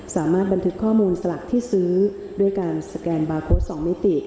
สามารถบันทึกข้อมูลสลักที่ซื้อด้วยการสแกนบาร์โค้ด๒มิติ